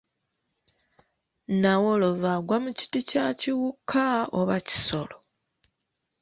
Nnawolovu agwa mu kiti kya kiwuka oba kisolo?